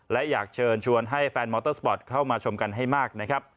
และอยากเชิญชวนให้แฟนมอเตอร์สปอร์ตเข้ามาชมกันให้มากนะครับ